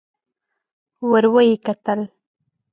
ور ويې کتل.